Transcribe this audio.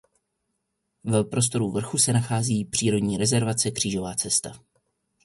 V prostoru vrchu se nachází přírodní rezervace Křížová cesta.